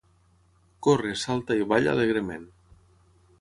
Corre, salta i balla alegrement.